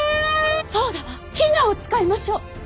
そうだわ比奈を使いましょう。